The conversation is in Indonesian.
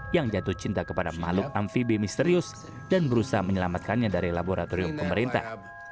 yang jatuh cinta kepada makhluk amfibi misterius dan berusaha menyelamatkannya dari laboratorium pemerintah